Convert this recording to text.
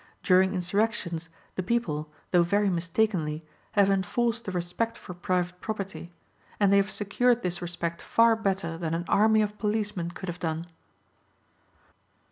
During insurrections, the people, though very mistakenly, have enforced the respect for private property; and they have secured this respect far better than an army of policemen could have done.